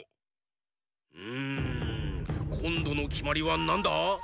うんこんどのきまりはなんだ？